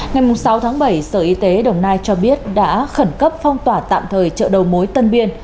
ngày sáu tháng bảy sở y tế đồng nai cho biết đã khẩn cấp phong tỏa tạm thời chợ đầu mối tân biên